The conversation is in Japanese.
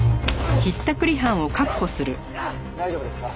大丈夫ですか？